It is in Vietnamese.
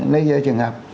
lây nhiễm trong trường học